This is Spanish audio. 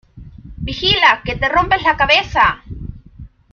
Vigila, ¡que te rompes la cabeza!